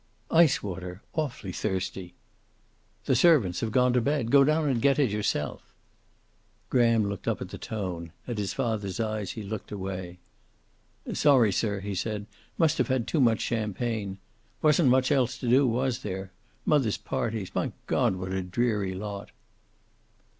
"Ice water. Awfully thirsty." "The servants have gone to bed. Go down and get it yourself." Graham looked up at the tone. At his father's eyes, he looked away. "Sorry, sir," he said. "Must have had too much champagne. Wasn't much else to do, was there? Mother's parties my God, what a dreary lot!"